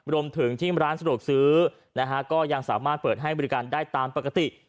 รวมถึงที่ร้านสะดวกซื้อนะฮะก็ยังสามารถเปิดให้บริการได้ตามปกติ